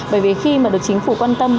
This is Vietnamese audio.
bởi vì khi được chính phủ quan tâm